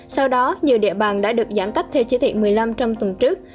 sau đó nhiều địa bàn đã được giãn cách theo chỉ thị một mươi năm trong tuần trước